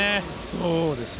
そうですね。